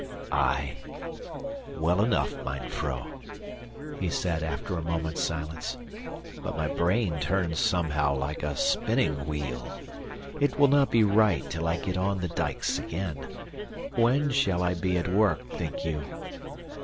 "Aye, well enough, mine vrouw," he said after a moment's silence, "but my brain turns somehow like a spinning wheel. It will not be right till I get on the dikes again. When shall I be at work, think you?"